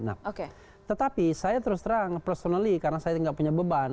nah tetapi saya terus terang personally karena saya tidak punya beban